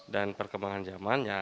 dan perkembangan zaman